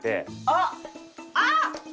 あっ！